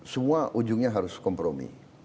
semua ujungnya harus kompromi